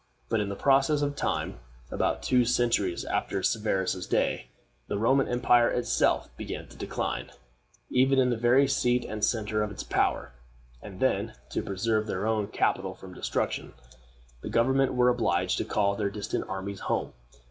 But in process of time about two centuries after Severus's day the Roman empire itself began to decline, even in the very seat and center of its power; and then, to preserve their own capital from destruction, the government were obliged to call their distant armies home.